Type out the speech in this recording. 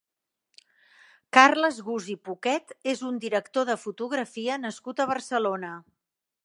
Carles Gusi Poquet és un director de fotografia nascut a Barcelona.